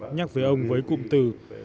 nhắc với ông với cụm từ